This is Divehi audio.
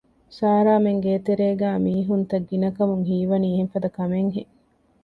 ސާރާމެން ގޭތެރޭގައި މީހުންތައް ގިނަކަމުން ހީވަނީ އެހެން ފަދަ ކަމެއް ހެން